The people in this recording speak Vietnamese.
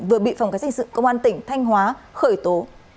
vừa bị phòng khai sinh sự công an tỉnh thanh hóa khởi tố